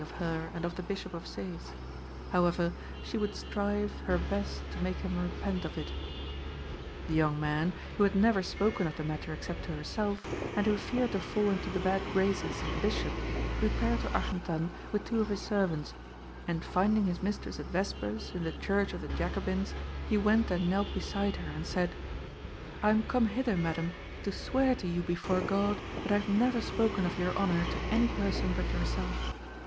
of her and of the Bishop of Sees; however, she would strive her best to make him repent of it. The young man, who had never spoken of the matter except to herself, and who feared to fall into the bad graces of the Bishop, repaired to Argentan with two of his servants, and finding his mistress at vespers in the church of the Jacobins,(7) he went and knelt beside her, and said "I am come hither, madam, to swear to you before God that I have never spoken of your honour to any person but yourself.